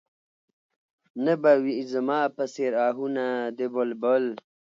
نه به وي زما په څېر اهونه د بلبل